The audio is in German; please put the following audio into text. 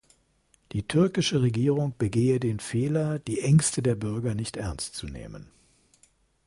Die türkische Regierung begehe den Fehler, die Ängste der Bürger nicht ernst zu nehmen.